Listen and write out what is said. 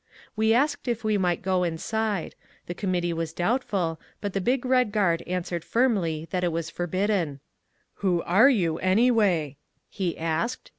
We asked if we might go inside. The committee was doubtful, but the big Red Guard answered firmly that it was forbidden. "Who are you anyway?" he asked.